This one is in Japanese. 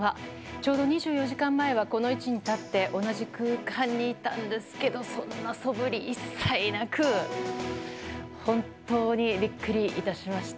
ちょうど２４時間前はこの同じ空間にいたんですけれど、そんな素振り一切なく、本当にびっくりいたしました。